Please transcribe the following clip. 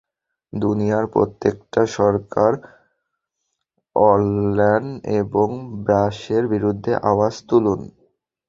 দুনিয়ার প্রত্যেকটা সরকার অরল্যান এবং ব্যাশের বিরুদ্ধে আওয়াজ তুলুন!